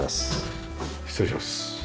失礼します。